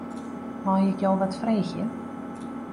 Mei ik jo wat freegje?